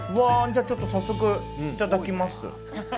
じゃあちょっと早速いただきます。